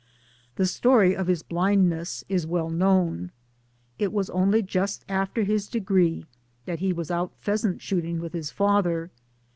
The story of his blindness is well known. It was only just after his degree that he was out pheasant shooting with his father.